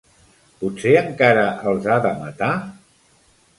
Potser encara els ha de matar?